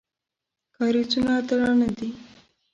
کارېزونه درانه دي.